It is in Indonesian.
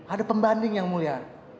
ada pembanding yang mulia